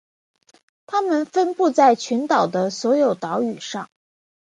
它们分布在群岛的所有岛屿上。